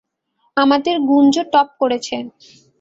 আমাদের গুঞ্জু টপ করেছে!